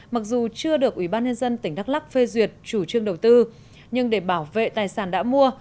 mặc dù chưa được ủy ban nhân dân tỉnh đắk lắc phê duyệt chủ trương đầu tư nhưng để bảo vệ tài sản đã mua